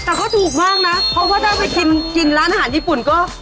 แต่เขาถูกมากนะเพราะว่าถ้าไปชิมกินร้านอาหารญี่ปุ่นก็